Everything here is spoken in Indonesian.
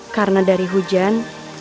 karena dari hujan